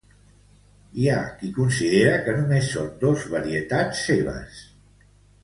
Hi ha qui considera que només són dos varietats seves.